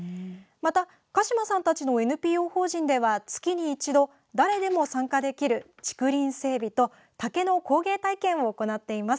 また、鹿嶋さんたちのＮＰＯ法人では月に一度誰でも参加できる竹林整備と竹の工芸体験を行っています。